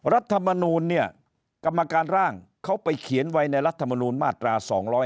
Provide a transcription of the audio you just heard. รัฐมนูลเนี่ยกรรมการร่างเขาไปเขียนไว้ในรัฐมนูลมาตรา๒๕๖